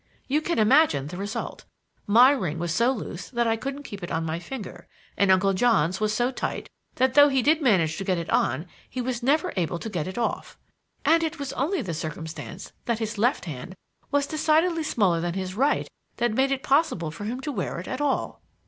You can imagine the result; my ring was so loose that I couldn't keep it in my finger, and Uncle John's was so tight that though he did manage to get it on, he was never able to get it off. And it was only the circumstance that his left hand was decidedly smaller than his right that made it possible for him to wear it all."